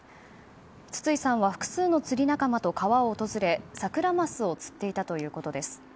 筒井さんは複数の仲間と釣りに訪れサクラマスを釣っていたということです。